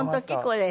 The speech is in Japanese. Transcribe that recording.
これ。